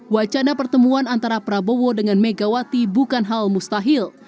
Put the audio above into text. wacana pertemuan antara prabowo dengan megawati bukan hal mustahil